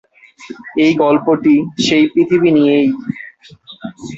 এই গল্পটি সেই পৃথিবী নিয়েই।